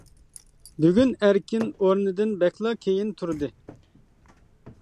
بۈگۈن ئەركىن ئورنىدىن بەكلا كېيىن تۇردى.